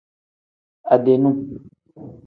Ade num.